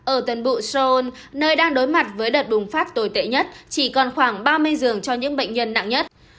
ở tuần bụi seoul nơi đang đối mặt với đợt bùng phát tồi tệ nhất chỉ còn khoảng ba mươi dường cho những bệnh nhân nặng nhất